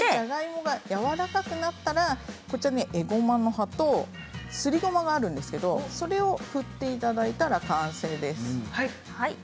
じゃがいもがやわらかくなったらえごまの葉と、すりごまがあるんですけれどもね入れていただいたら完成です。